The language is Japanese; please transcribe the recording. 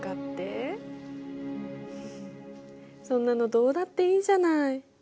そんなのどうだっていいじゃない。